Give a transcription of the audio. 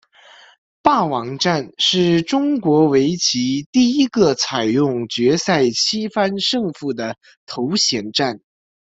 霸王战是中国围棋第一个采用决赛七番胜负的头衔战。